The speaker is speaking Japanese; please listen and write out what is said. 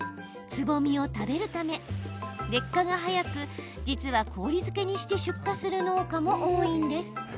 つぼみを食べるため劣化が早く、実は氷漬けにして出荷する農家も多いんです。